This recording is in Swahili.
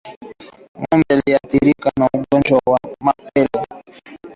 Ngombe aliyeathirika na ugonjwa wa mapele